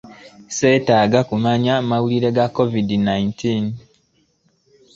Seetaaga kumanya mawulire ga covid nineteen.